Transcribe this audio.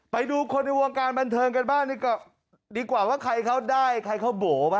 ไปดูคนในวงการบันเทิงกันบ้างดีกว่าว่าใครเขาได้ใครเขาโบ๋ป่